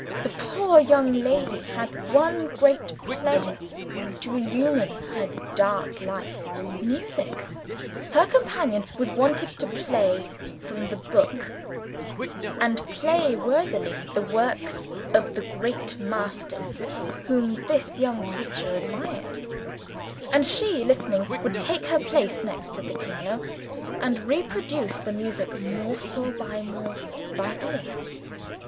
The poor young lady had one great pleasure to illumine her dark life Music. Her companion was wanted to play from the book, and play worthily, the works of the great masters (whom this young creature adored) and she, listening, would take her place next at the piano, and reproduce the music morsel by morsel, by ear.